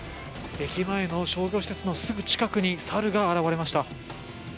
駅前の消防施設のすぐ近くに猿が現れました。